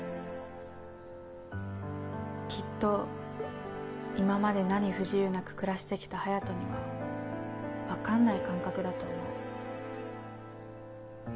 きっと今まで何不自由なく暮らしてきた隼斗には分かんない感覚だと思う。